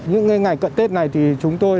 những ngày cận tết này chúng tôi